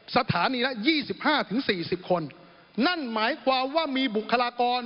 สถานีละยี่สิบห้าถึงสี่สิบคนนั่นหมายความว่ามีบุคลากร